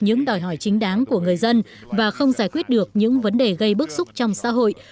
những đòi hỏi chính đáng của người dân và không giải quyết được những vấn đề gây bức xúc trong xã hội